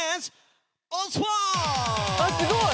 あっすごい！